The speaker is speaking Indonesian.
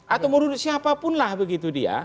atau menurut siapapun lah begitu dia